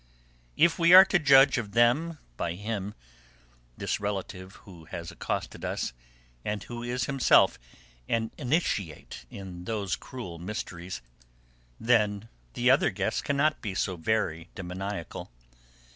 If we are to judge of them by him, this relative who has accosted us and who is himself an initiate in those cruel mysteries, then the other guests cannot be so very demoniacal.